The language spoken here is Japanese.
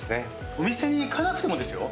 お店に行かなくてもですよ